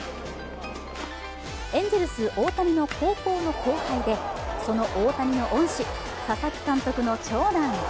エンゼルス・大谷の高校の後輩で、その大谷の恩師、佐々木監督の長男。